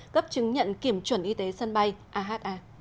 cấp chứng nhận kiểm chuẩn y tế sân bay aha